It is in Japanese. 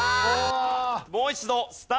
もう一度スタート。